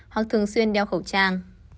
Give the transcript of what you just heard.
hoặc thường xuyên đeo khẩu trang